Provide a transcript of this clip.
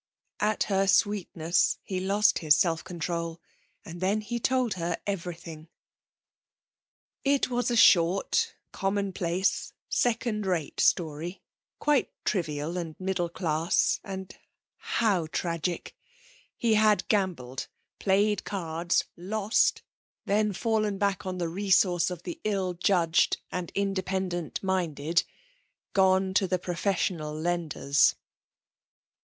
At her sweetness he lost his self control, and then he told her everything. It was a short, commonplace, second rate story, quite trivial and middle class, and how tragic! He had gambled, played cards, lost, then fallen back on the resource of the ill judged and independent minded gone to the professional lenders.